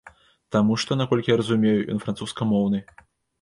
Таму што, наколькі я разумею, ён французскамоўны.